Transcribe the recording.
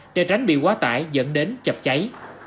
để tránh bị quá tải dẫn đến chập trái